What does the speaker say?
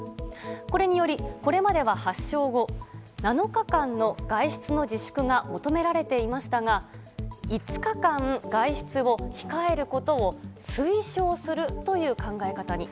これによりこれまでは発症後７日間の外出の自粛が求められていましたが５日間外出を控えることを推奨するという考え方に。